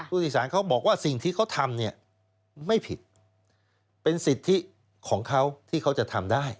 ผู้โดยสารเขาบอกว่าสิ่งที่เขาทำเนี่ยไม่ผิดเป็นสิทธิของเขาที่เขาจะทำได้